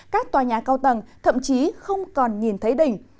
các tòa nhà cao tầng thậm chí không còn nhìn thấy đỉnh